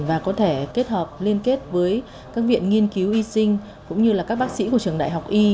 và có thể kết hợp liên kết với các viện nghiên cứu y sinh cũng như là các bác sĩ của trường đại học y